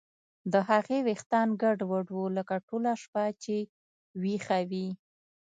د هغې ویښتان ګډوډ وو لکه ټوله شپه چې ویښه وي